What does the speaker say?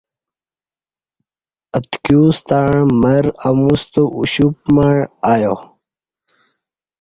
اتکیوستݩع مر امُوستہ اُوشُپ مع ایا۔